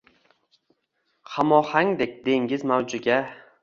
Xamohangdek dengiz mavjiga